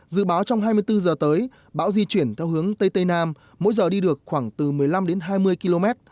dự báo trong hai mươi bốn giờ tới bão di chuyển theo hướng tây tây nam mỗi giờ đi được khoảng từ một mươi năm đến hai mươi km